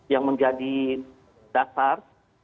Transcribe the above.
yang menjadi dasar